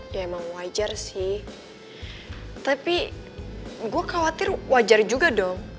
ya emang wajar sih tapi gue khawatir wajar juga dong